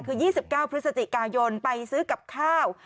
คือ๒๙พฤศจิกายนไปซื้อกับข้าว